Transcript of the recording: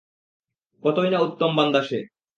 কতই না উত্তম বান্দা সে!